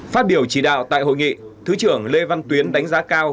phát biểu chỉ đạo tại hội nghị thứ trưởng lê văn tuyến đánh giá cao